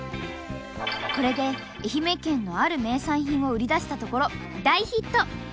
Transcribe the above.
これで愛媛県のある名産品を売り出したところ大ヒット！